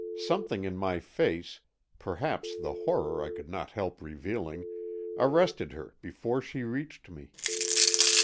Something in my face, perhaps the horror I could not help revealing, arrested her before she reached me.